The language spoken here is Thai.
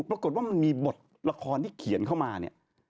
ปรากฏว่ามันมีบทละครที่เขียนเข้ามาเนี่ย